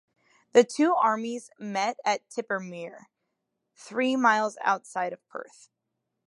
The two armies met at Tippermuir, three miles outside of Perth.